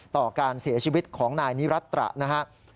ต่อการเสียชีวิตของนายนิรัตตระนะครับ